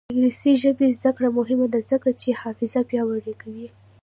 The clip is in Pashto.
د انګلیسي ژبې زده کړه مهمه ده ځکه چې حافظه پیاوړې کوي.